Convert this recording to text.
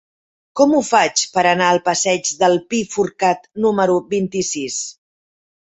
Com ho faig per anar al passeig del Pi Forcat número vint-i-sis?